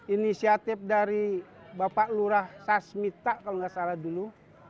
inisiatif dari bapak lurah sasmita kalau nggak salah dulu